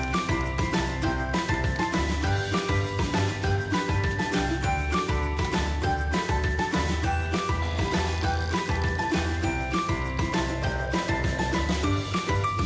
โปรดติดตามตอนต่อไป